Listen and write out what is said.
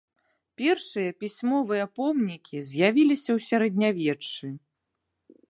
Першыя пісьмовыя помнікі з'явіліся ў сярэднявеччы.